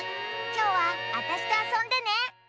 きょうはあたしとあそんでね！